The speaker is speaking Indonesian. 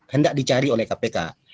hendak dicari oleh kpk